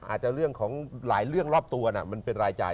อาจจะเรื่องของหลายเรื่องรอบตัวน่ะมันเป็นรายจ่าย